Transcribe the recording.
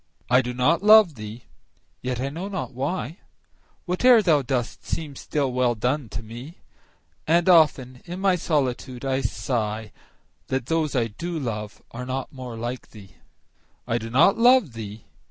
I do not love thee!—yet, I know not why, 5 Whate'er thou dost seems still well done, to me: And often in my solitude I sigh That those I do love are not more like thee! I do not love thee!